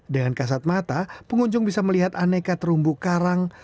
dengan kasat mata pengunjung bisa melihat aneka terumbu karang